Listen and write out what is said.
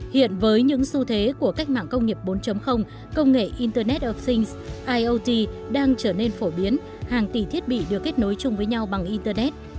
hiện với những xu thế của cách mạng công nghiệp bốn công nghệ internet of things iot đang trở nên phổ biến hàng tỷ thiết bị được kết nối chung với nhau bằng internet